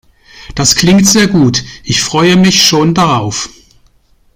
Das klingt sehr gut. Ich freue mich schon darauf.